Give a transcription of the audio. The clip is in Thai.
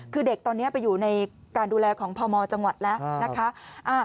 คือเด็กตอนนี้ไปอยู่ในการดูแลของพมจังหวัดแล้วนะคะ